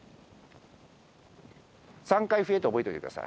３回笛って、覚えといてください。